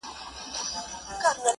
د میني کور وو د فتح او د رابیا کلی دی -